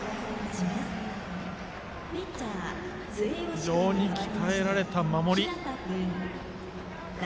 非常に鍛えられた守り。